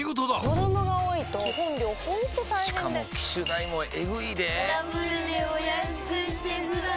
子供が多いと基本料ほんと大変でしかも機種代もエグいでぇダブルでお安くしてください